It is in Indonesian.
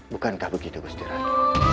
bukankah begitu kugus tiratu